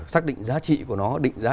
xác định giá trị của nó định giá